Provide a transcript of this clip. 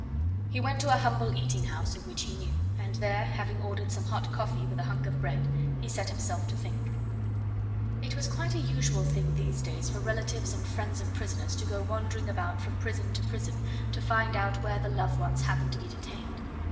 He went to a humble eating house of which he knew, and there, having ordered some hot coffee with a hunk of bread, he set himself to think. It was quite a usual thing these days for relatives and friends of prisoners to go wandering about from prison to prison to find out where the loved ones happened to be detained.